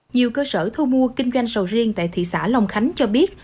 nhiều cơ sở thu mua kinh doanh sầu riêng tại thị xã long khánh cho biết